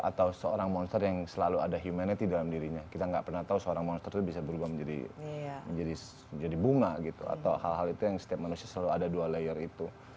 atau seorang monster yang selalu ada humanity dalam dirinya kita nggak pernah tahu seorang monster itu bisa berubah menjadi bunga gitu atau hal hal itu yang setiap manusia selalu ada dua layer itu